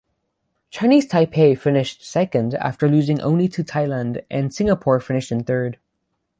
Chinese Taipei finished second after losing only to Thailand and Singapore finished in third.